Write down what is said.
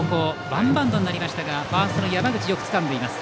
ワンバウンドになりましたがファーストの山口よくつかんでいます。